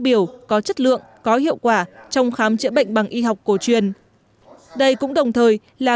biểu có chất lượng có hiệu quả trong khám chữa bệnh bằng y học cổ truyền đây cũng đồng thời là